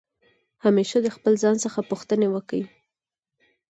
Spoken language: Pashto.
همېشه د خپل ځان څخه پوښتني وکئ!